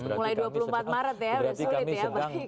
mulai dua puluh empat maret ya sulit ya baik